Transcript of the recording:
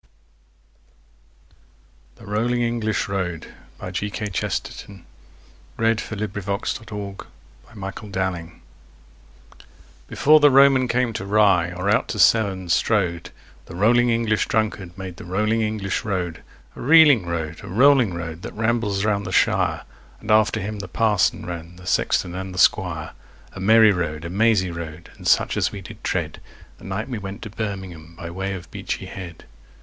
Gilbert Keith Chesterton 32001The Rolling English Road1914Gilbert Keith Chesterton Before the Roman came to Rye or out to Severn strode, The rolling English drunkard made the rolling English road, A reeling road, a rolling road, that rambles round the shire, And after him the parson ran, the sexton and the squire, A merry road, a mazy road, and such as we did tread, The night we went to Birmingham by way of Beachy Head.